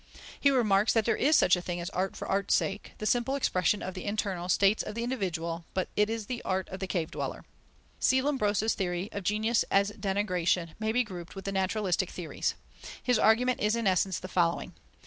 He remarks that there is such a thing as art for art's sake, the simple expression of the internal states of the individual, but it is the art of the cave dweller. C. Lombroso's theory of genius as degeneration may be grouped with the naturalistic theories. His argument is in essence the following.